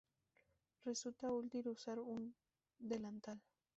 Resulta útil usar un delantal.